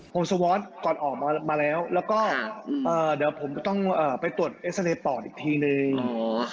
ผมสวัสดีก่อนออกมาแล้วแล้วก็เดี๋ยวผมต้องไปตรวจเอสเตรปอลอีกทีหนึ่ง